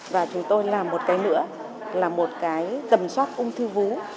và chúng tôi làm một cái nữa là một cái tầm soát ung thư vú